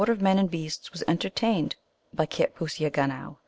75 of men and beasts was entertained by Kitpooseagu now.